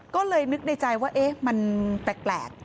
ก็เลยนึกในใจว่ามันแปลก